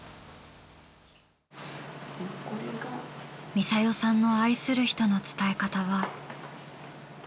ミサヨさんの愛する人の伝え方は。